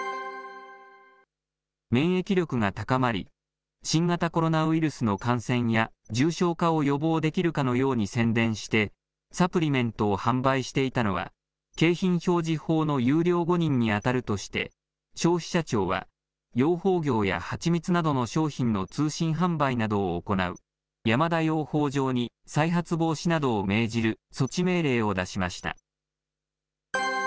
免疫力が高まり、新型コロナウイルスの感染や、重症化を予防できるかのように宣伝してサプリメントを販売していたのは、景品表示法の優良誤認に当たるとして、消費者庁は養蜂業や蜂蜜などの商品の通信販売などを行う山田養蜂場に、再発防止などを命じる措置命令を出しました。